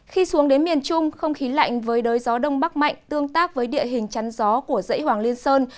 khi xuống đến miền trung không khí lạnh với đới gió đông bắc mạnh tương tác với địa hình chắn gió của dãy hoàng liên sơn